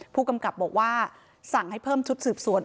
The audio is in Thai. ผู้กำกับบอกว่าสั่งให้เพิ่มชุดสืบสวน